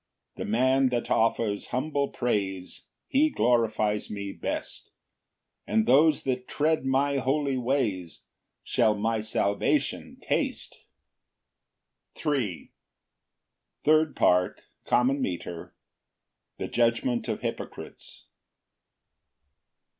4 "The man that offers humble praise, "He glorifies me best; "And those that tread my holy ways "Shall my salvation taste." Psalm 50:3. 1 5 8 16 21 22. 3d Part. C. M. The judgement of hypocrites.